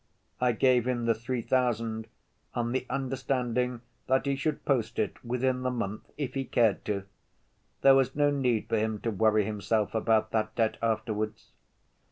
I gave him the three thousand on the understanding that he should post it within the month if he cared to. There was no need for him to worry himself about that debt afterwards."